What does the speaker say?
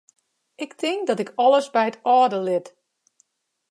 Ik tink dat ik alles by it âlde lit.